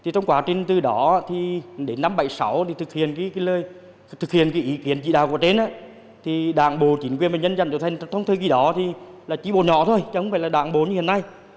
trong quá trình từ đó đến năm một nghìn chín trăm bảy mươi sáu thực hiện ý kiến trị đạo của tên đảng bộ chính quyền và nhân dân triệu thành trong thời kỳ đó là chỉ bộ nhỏ thôi chẳng phải là đảng bộ như hiện nay